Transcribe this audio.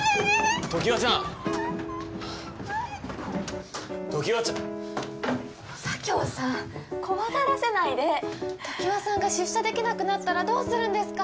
常盤ちゃん無理常盤ちゃ佐京さん怖がらせないで常盤さんが出社できなくなったらどうするんですか？